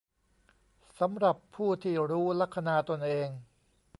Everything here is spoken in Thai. สำหรับผู้ที่รู้ลัคนาตนเอง